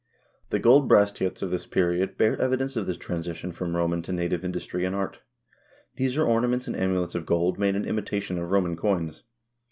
The gold bracteates of this period bear evidence of this transition from Roman to native industry and art. These are ornaments and amulets of gold made in imitation of Roman coins.